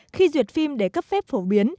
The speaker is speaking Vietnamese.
khi duyệt phim để cấp phép phổ biến